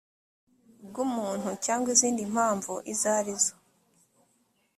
bw umuntu cyangwa izindi mpamvu izo arizo